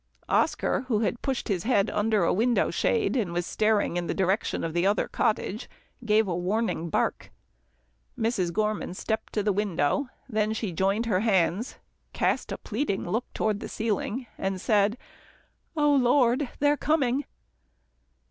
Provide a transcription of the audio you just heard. Oscar, who had pushed his head under a window shade, and was staring in the direction of the other cottage, gave a warning bark. Mrs. Gorman stepped to the window, then she joined her hands, cast a pleading look toward the ceiling and said, "Oh, Lord they're coming."